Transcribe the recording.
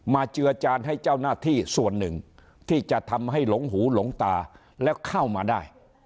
เจือจานให้เจ้าหน้าที่ส่วนหนึ่งที่จะทำให้หลงหูหลงตาแล้วเข้ามาได้